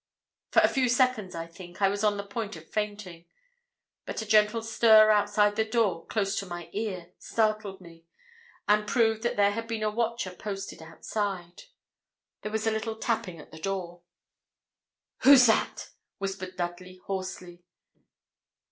For a few seconds, I think, I was on the point of fainting; but a gentle stir outside the door, close to my ear, startled me, and proved that there had been a watcher posted outside. There was a little tapping at the door. 'Who's that?' whispered Dudley, hoarsely.